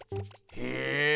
へえ。